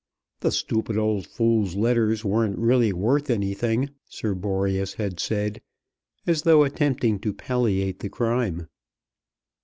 "The stupid old fool's letters weren't really worth anything," Sir Boreas had said, as though attempting to palliate the crime!